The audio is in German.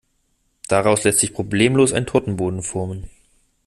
Daraus lässt sich problemlos ein Tortenboden formen.